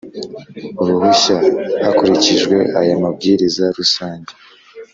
uruhushya hakurikijwe aya Mabwiriza Rusange